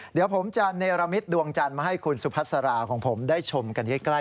เดี๋ยวผมจะเนรมิตดวงจันทร์มาให้คุณสุพัสราของผมได้ชมกันใกล้